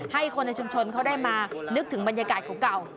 ให้คนในชุมชนเขาได้มานึกถึงบรรยากาศเก่า